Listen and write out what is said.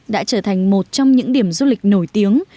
khu di tích đã trở thành một trong những điểm du lịch nổi tiếng